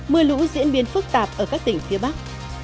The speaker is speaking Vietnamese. mưa lũ diễn biến phức tạp ở các tỉnh phía bắc